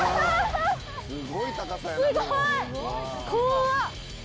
すごい！